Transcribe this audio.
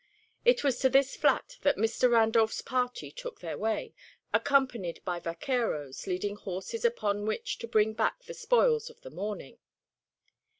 It was to this flat that Mr. Randolph's party took their way, accompanied by vaqueros leading horses upon which to bring back the spoils of the morning.